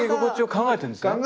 考えてるんです。